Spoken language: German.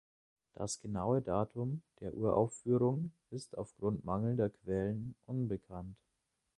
Das genaue Datum der Uraufführung ist aufgrund mangelnder Quellen unbekannt.